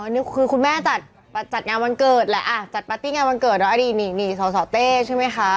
นี่คือคุณแม่จัดงานวันเกิดแหละจัดปาร์ตี้งานวันเกิดแล้วอดีตนี่สสเต้ใช่ไหมคะ